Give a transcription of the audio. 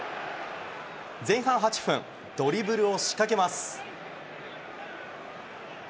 前半８分、ドリブルを仕掛けます。